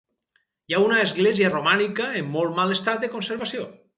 Hi ha una església romànica en molt mal estat de conservació.